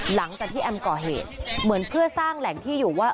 หลังจากที่แอมก่อเหตุเหมือนเพื่อสร้างแหล่งที่อยู่ว่า